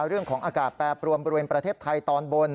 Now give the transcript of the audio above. เรื่องของอากาศแปรปรวนบริเวณประเทศไทยตอนบน